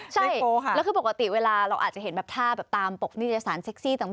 ใช่แล้วคือปกติเวลาเราอาจจะเห็นแบบท่าแบบตามปกนิตยสารเซ็กซี่ต่าง